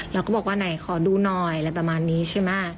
เราก็บอกว่าไหนขอดูหน่อยอะไรประมาณนี้ใช่ไหม